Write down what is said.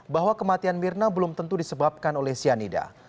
bahwa kematian mirna belum tentu disebabkan oleh cyanida